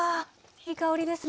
いい香りですね。